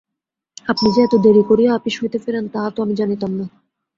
আপনি যে এত দেরি করিয়া আপিস হইতে ফেরেন তাহা তো আমি জানিতাম না।